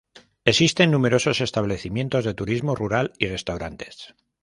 Existen numerosos establecimientos de turismo rural y restaurantes.